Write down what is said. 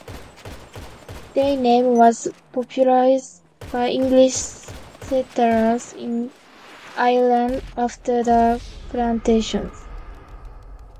The name was popularised by English settlers in Ireland after the Plantations.